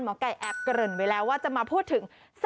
ไก่แอบเกริ่นไว้แล้วว่าจะมาพูดถึง